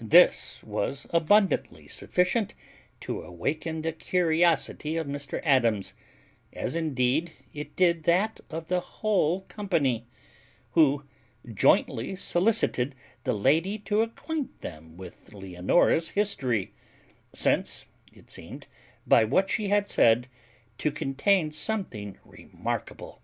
This was abundantly sufficient to awaken the curiosity of Mr Adams, as indeed it did that of the whole company, who jointly solicited the lady to acquaint them with Leonora's history, since it seemed, by what she had said, to contain something remarkable.